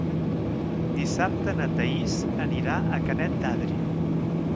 Dissabte na Thaís anirà a Canet d'Adri.